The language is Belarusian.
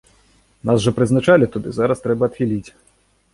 Нас жа прызначалі туды, зараз трэба адхіліць.